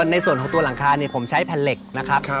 ในส่วนของตัวหลังคาผมใช้แผ่นเหล็กนะครับ